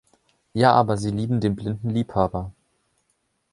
Ja, aber sie lieben den blinden Liebhaber.